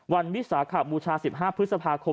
วิสาขบูชา๑๕พฤษภาคม